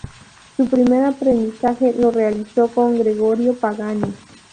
Su primer aprendizaje lo realizó con Gregorio Pagani.